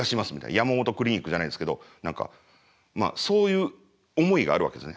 山本クリニックじゃないですけど何かそういう思いがあるわけですね。